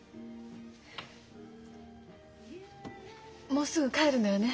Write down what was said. もうすぐ帰るのよね？